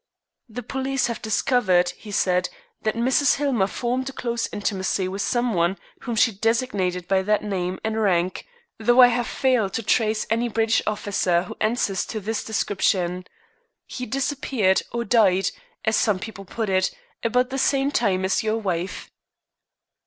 "The police have discovered," he said, "that Mrs. Hillmer formed a close intimacy with some one whom she designated by that name and rank, though I have failed to trace any British officer who answers to his description. He disappeared, or died, as some people put it, about the same time as your wife."